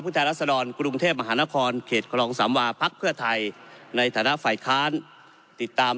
แทนรัศดรกรุงเทพมหานครเขตคลองสามวาพักเพื่อไทยในฐานะฝ่ายค้านติดตาม